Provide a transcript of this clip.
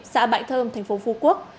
xã bãi thơm tp phú quốc